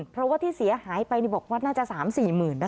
เพราะว่าที่เสียหายไปบอกว่าน่าจะ๓๔หมื่นนะคะ